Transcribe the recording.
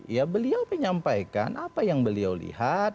ya beliau menyampaikan apa yang beliau lihat